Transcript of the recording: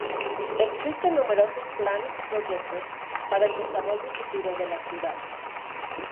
Existen numerosos planes y proyectos para el desarrollo futuro de la ciudad.